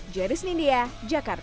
juris nindya jakarta